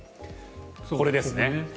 これですね。